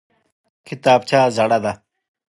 کتابچه زړه ده!